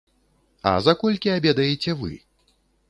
А за колькі абедаеце вы?